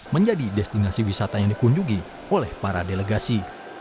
menjadi destinasi wisata yang dikunjungi oleh para delegasi